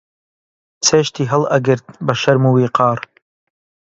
چێشتی هەڵئەگرت بە شەرم و ویقار